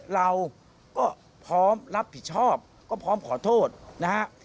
เราก็พร้อมรับผิดชอบก็พร้อมขอโทษนะฮะ